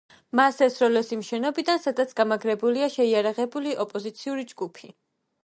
მას ესროლეს იმ შენობიდან, სადაც გამაგრებულია შეირაღებული ოპოზიციური ჯგუფი.